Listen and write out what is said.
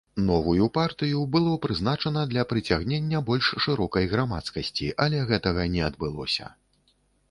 Новую партыю было прызначана для прыцягнення больш шырокай грамадскасці, але гэтага не адбылося.